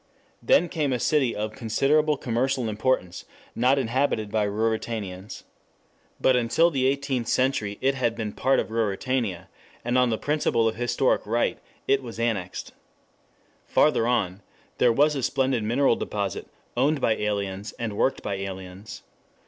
Then came a city of considerable commercial importance, not inhabited by Ruritanians. But until the Eighteenth Century it had been part of Ruritania, and on the principle of Historic Right it was annexed. Farther on there was a splendid mineral deposit owned by aliens and worked by aliens.